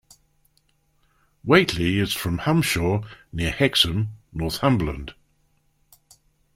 Whately is from Humshaugh, near Hexham, Northumberland.